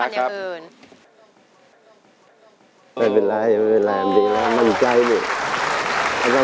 เพลงนี้อยู่ในอาราบัมชุดแรกของคุณแจ็คเลยนะครับ